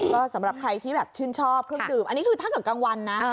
ก็สำหรับใครที่แบบชื่นชอบเครื่องดื่มอันนี้คือถ้าเกิดกลางวันนะ